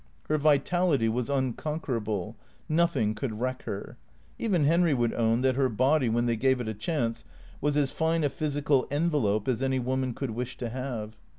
Her vitality was uncon querable. Nothing could wreck her. Even Henry would own that her body, when they gave it a chance, was as fine a physical envelope as any woman could wish to have.